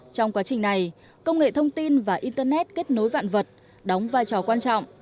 trong quá trình này công nghệ thông tin và internet kết nối vạn vật đóng vai trò quan trọng